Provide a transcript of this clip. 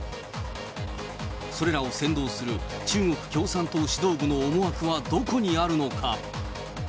それらを先導する中国共産党指導部の思惑はどこにあるのか。